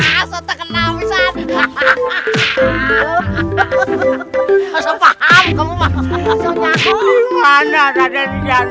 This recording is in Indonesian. hahaha kok terkenal wisana hahaha